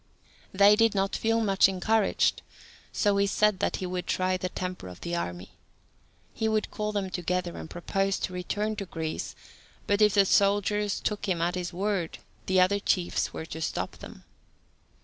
They did not feel much encouraged, so he said that he would try the temper of the army. He would call them together, and propose to return to Greece; but, if the soldiers took him at his word, the other chiefs were to stop them.